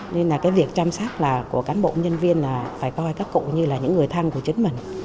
nên là cái việc chăm sóc là của cán bộ nhân viên là phải coi các cụ như là những người thân của chính mình